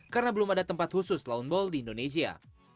karena belum ada tempat khusus lawnball di indonesia